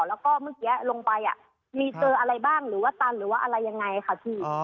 แล้วก็เมื่อกี้ลงไปมีเจออะไรบ้างหรือว่าตันหรือว่าอะไรยังไงค่ะพี่